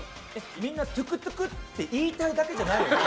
みんなトゥクトゥクって言いたいだけじゃないの？